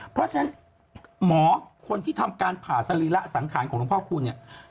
เพราะฉะนั้นหมอคนที่ทำการผ่าสรีระสังขารของหลวงพ่อคูณเนี่ย